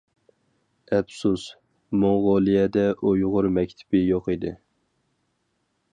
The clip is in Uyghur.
ئەپسۇس، موڭغۇلىيەدە ئۇيغۇر مەكتىپى يوق ئىدى.